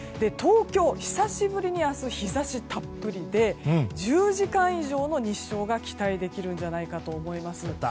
東京、久しぶりに明日日差したっぷりで１０時間以上の日照が期待できるんじゃないかと思います。